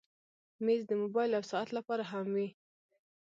مېز د موبایل او ساعت لپاره هم وي.